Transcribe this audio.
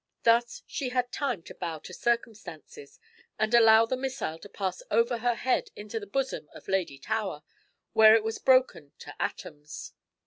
Thus she had time to bow to circumstances, and allow the missile to pass over her head into the bosom of Lady Tower, where it was broken to atoms.